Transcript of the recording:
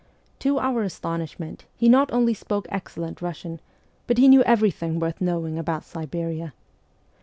To our astonishment, he not only spoke excellent Russian, but he knew everything worth knowing about Siberia.